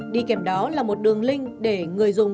đi kèm đó là một đường link để người dùng